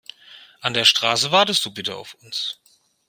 An der Straße wartest du bitte auf uns.